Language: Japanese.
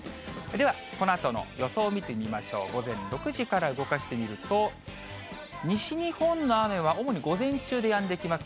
では、このあとの予想見てみましょう、午前６時から動かしてみると、西日本の雨は、主に午前中でやんできます。